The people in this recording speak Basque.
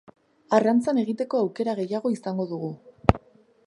Arrantzan egiteko aukera gehiago izango dugu.